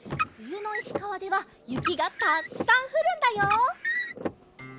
ふゆのいしかわではゆきがたっくさんふるんだよ。